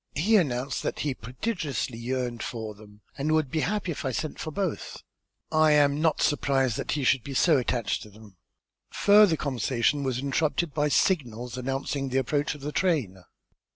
He announced that he prodigiously yearned for them and would be happy if I sent for both. I am not surprised that he should be so attached to them." Further conversation was interrupted by signals announcing the approach of the train.